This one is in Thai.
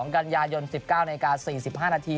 ๑๒กัญญาณยนต์๑๙น๔๕น